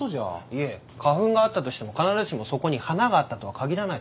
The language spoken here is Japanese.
いえ花粉があったとしても必ずしもそこに花があったとは限らないと思います。